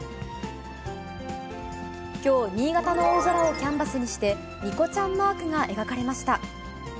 きょう、新潟の大空をキャンバスにして、ニコちゃんマークが描かれました。